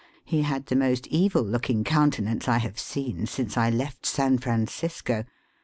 He had the most evil looking countenance I have seen since I left San Francisco.